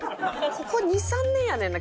ここ２３年やねんな